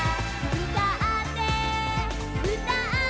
「うたってうたって」